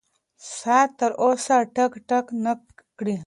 ساعت تر اوسه ټک ټک نه دی کړی.